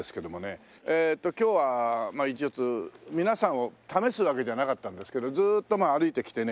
今日はちょっと皆さんを試すわけじゃなかったんですけどずっと歩いてきてね